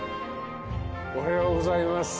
おはようございます。